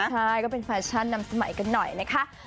ใช่ก็เป็นแฟชั่นนำสมัยกันหน่อยนะคะ